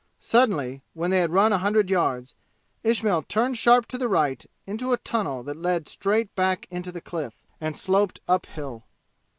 Suddenly when they had run a hundred yards, Ismail turned sharp to the right into a tunnel that led straight back into the cliff and sloped uphill.